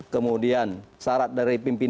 kemudian syarat dari pimpinan